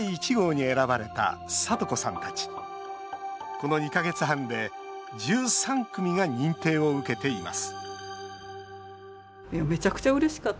この２か月半で１３組が認定を受けています